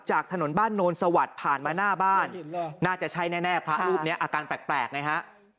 จากถนนบ้านโนนสวัสดิ์ผ่านมาหน้าบ้านน่าจะใช่แน่พระรูปนี้อาการแปลกไงฮะ